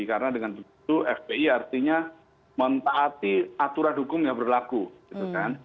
karena dengan begitu fpi artinya mentaati aturan hukum yang berlaku gitu kan